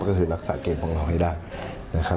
ก็คือรักษาเกมของเราให้ได้นะครับ